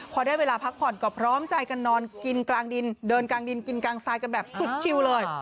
พอได้เวลาพักผ่อนก็พร้อมใจกันนอนกินกลางดินเดินกลางดินกินกลางทรายกันแบบสุดชิวเลย